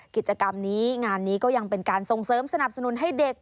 กิจกรรมนี้งานนี้ก็ยังเป็นการส่งเสริมสนับสนุนให้เด็ก